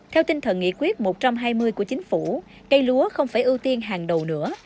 theo tinh thần nghị quyết một trăm hai mươi của chính phủ cây lúa không phải ưu tiên hàng đầu nữa